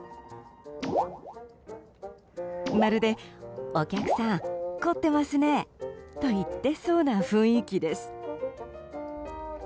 まるでお客さん、凝っていますねぇと言ってそうな雰囲気です。